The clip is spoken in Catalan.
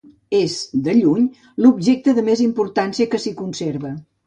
És, de lluny, l'objecte de més importància que s'hi conserva.